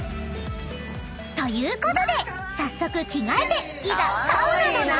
［ということで早速着替えていざ］